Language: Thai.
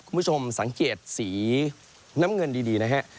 คุณผู้ชมสังเกตสีน้ำเงินดีนะฮะ